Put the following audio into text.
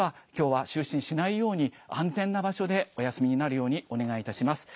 危険な場所ではきょうは就寝しないように安全な場所でお休みになるようにお願いいたします。